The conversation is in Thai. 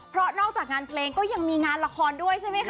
เพราะนอกจากงานเพลงก็ยังมีงานละครด้วยใช่ไหมคะ